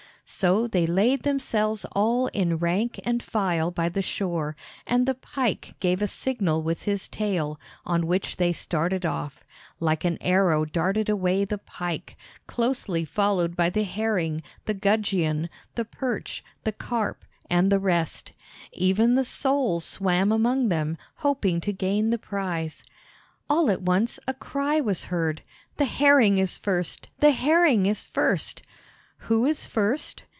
So they laid themselves all in rank and file by the shore, and the Pike gave a signal with his tail, on which they started off. Like an arrow darted away the Pike, closely followed by the Herring, the Gudgeon, the Perch, the Carp, and the rest. Even the Sole swam among them, hoping to gain the prize. All at once a cry was heard, "The Herring is first, the Herring is first!" "Who is first?"